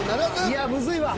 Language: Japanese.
いやむずいわ。